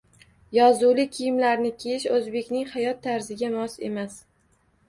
Yozuvli kiyimlarni kiyish oʻzbekning hayot tarziga mos emas.